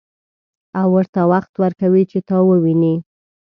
او ورته وخت ورکوي چې تا وويني.